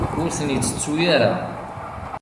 Ur ten-ittettu ara.